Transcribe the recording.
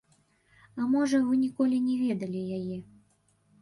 А можа, вы ніколі не ведалі яе.